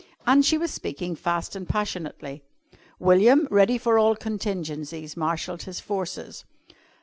And she was speaking fast and passionately. William, ready for all contingencies, marshalled his forces.